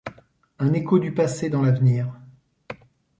Un écho du passé dans l’avenir.